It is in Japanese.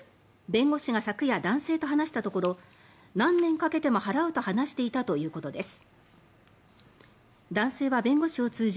弁護士が昨夜男性と話したところ何年かけても払うと話していたということです。